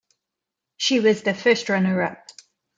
She was the first runner-up.